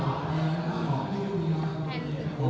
ไม่ใช่